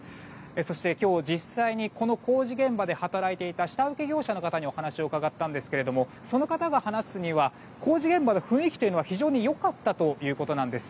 そして今日、実際に工事現場で働いていた下請け業者の方にお話を伺ったんですけどもその方が話すには工事現場の雰囲気というのは非常に良かったということなんです。